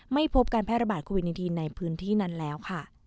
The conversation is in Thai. ไม่พบการแพร่ระบาดโควิด๑๙ในพื้นที่นั้นแล้วค่ะ